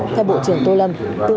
theo bộ trưởng tô lâm